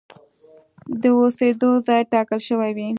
د اوسېدو ځای ټاکل شوی و.